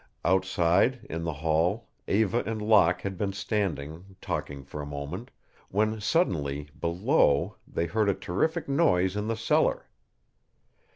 Outside, in the hall, Eva and Locke had been standing, talking for a moment, when suddenly, below, they heard a terrific noise in the cellar.